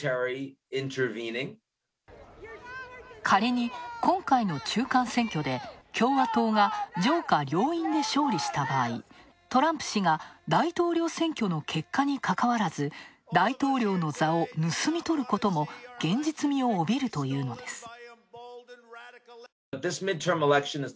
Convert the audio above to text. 仮に、今回の中間選挙で、共和党が上下両院で勝利した場合トランプ氏が大統領選挙の結果にかかわらず、大統領の座を盗み取ることも現実味を帯びるというのです。